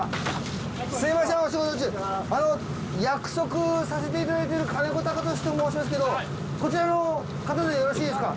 すみませんお仕事中約束させていただいてる金子貴俊と申しますけどこちらの方でよろしいですか？